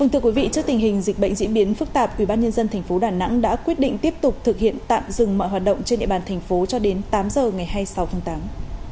thưa quý vị trước tình hình dịch bệnh diễn biến phức tạp ubnd tp đà nẵng đã quyết định tiếp tục thực hiện tạm dừng mọi hoạt động trên địa bàn thành phố cho đến tám giờ ngày hai mươi sáu tháng tám